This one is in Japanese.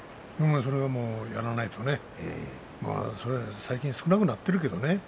それをやらないとね最近少なくなってきているけどね。